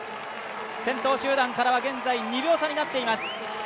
先頭集団からは現在、２秒差になっています。